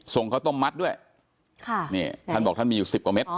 ทรงเขาต้มมัดด้วยท่านบอกท่านมีอยู่๑๐กว่าเม็ด